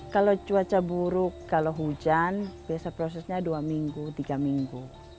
kalau cuaca buruk kalau hujan biasa prosesnya dua minggu tiga minggu